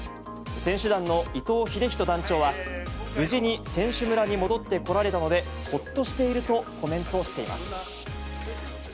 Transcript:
選手団の伊東ひでひと団長は、無事に選手村に戻ってこられたので、ほっとしているとコメントしています。